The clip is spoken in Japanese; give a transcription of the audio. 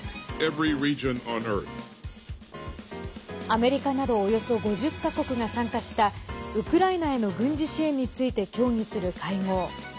アメリカなどおよそ５０か国が参加したウクライナへの軍事支援について協議する会合。